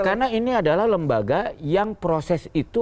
karena ini adalah lembaga yang proses itu